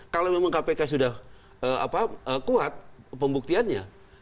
kalau memang kpk sudah kuat pembuktiannya